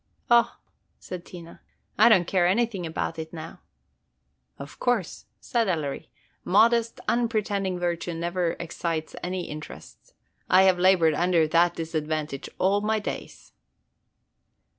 "Oh!" said Tina, "I don't care anything about it now." "Of course," said Ellery. "Modest, unpretending virtue never excites any interest. I have labored under that disadvantage all my days."